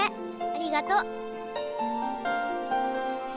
ありがとう！